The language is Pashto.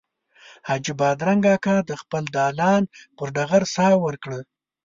حاجي بادرنګ اکا د خپل دالان پر ټغر ساه ورکړه.